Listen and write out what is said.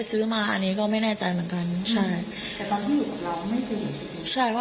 เศษนั้นคือแล้ว